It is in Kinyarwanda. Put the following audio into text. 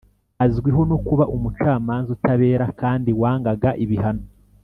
azwiho no kuba umucamanza utabera kandi wangaga ibihano